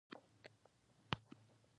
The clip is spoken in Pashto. چې تۀ ډېر ښۀ سړے ئې